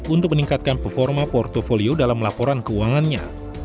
untuk meningkatkan performa portofolio dalam laporan keuangannya